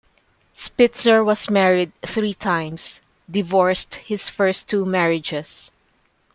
Spitzer was married three times, divorced his first two marriages.